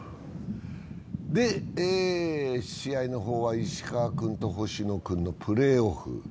で、試合の方は石川君と星野君のプレーオフ。